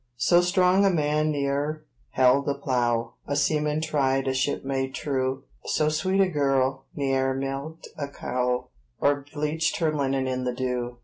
So strong a man ne'er held a plough, A seaman tried, a shipmate true; So sweet a girl ne'er milked a cow, Or bleached her linen in the dew.